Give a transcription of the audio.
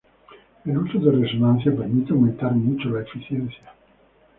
El uso de resonancia permite aumentar mucho la eficiencia.